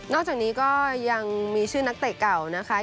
อกจากนี้ก็ยังมีชื่อนักเตะเก่านะคะ